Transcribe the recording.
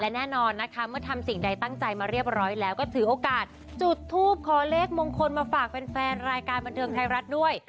และแน่นอนนะคะเมื่อทำสิ่งใดตั้งใจมาเรียบร้อยแล้วก็ถือโอกาสจุดทูปขอเลขมงคลมาฝากแฟนรายการบันเทิงไทยรัฐด้วย